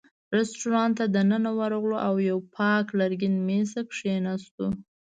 رېستورانت ته دننه ورغلو او یوه پاک لرګین مېز ته کېناستو.